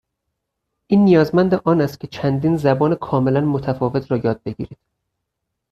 این نیازمند آن است که چندین زبان کاملأ متفاوت را یاد بگیرید.